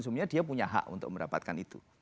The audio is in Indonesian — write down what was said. sebenarnya dia punya hak untuk mendapatkan itu